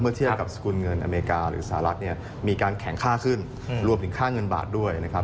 เทียบกับสกุลเงินอเมริกาหรือสหรัฐเนี่ยมีการแข็งค่าขึ้นรวมถึงค่าเงินบาทด้วยนะครับ